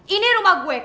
ini rumah gue